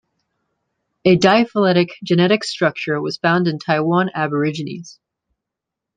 A diphyletic genetic structure was found in Taiwan Aborigines.